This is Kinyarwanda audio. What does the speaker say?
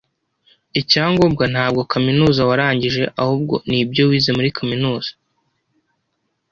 Icyangombwa ntabwo kaminuza warangije ahubwo ni ibyo wize muri kaminuza.